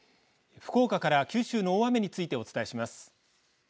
福岡から九州の大雨についてお伝えします。